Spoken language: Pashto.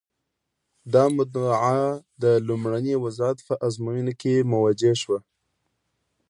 دا مدعا د لومړني وضعیت په ازموینو کې موجه شوه.